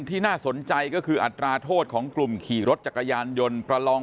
น่าสนใจก็คืออัตราโทษของกลุ่มขี่รถจักรยานยนต์ประลอง